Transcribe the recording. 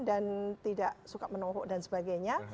dan tidak suka menunggu dan sebagainya